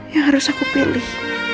yang harus aku pilih